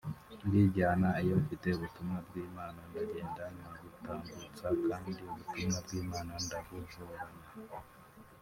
ndijyana iyo mfite ubutumwa bw’Imana ndagenda nkabutambutsa kandi ubutumwa bw’Imana ndabuhorana